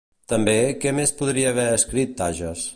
També, què més podria haver escrit Tages?